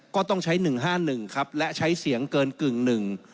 ก็ต้องใช้๑๕๑ครับและใช้เสียงเกินกึ่ง๑